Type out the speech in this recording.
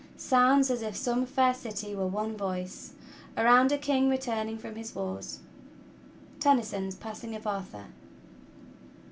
Sounds, as if some fair city were one voice Around a king returning from his wars. Tennyson's "Passing of Arthur.